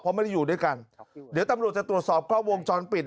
เพราะไม่ได้อยู่ด้วยกันเดี๋ยวตำรวจจะตรวจสอบกล้องวงจรปิด